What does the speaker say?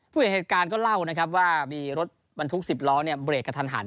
ผู้เห็นเหตุการณ์ก็เล่าว่ามีรถบรรทุก๑๐ล้อเบรกกับทันหัน